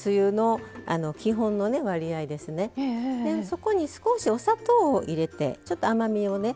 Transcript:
そこに少しお砂糖を入れてちょっと甘みをね